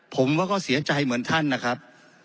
ผมก็เสียใจเหมือนท่านนะครับ